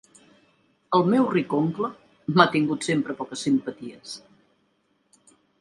El meu ric oncle, m'ha tingut sempre poques simpaties.